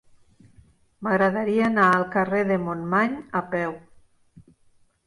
M'agradaria anar al carrer de Montmany a peu.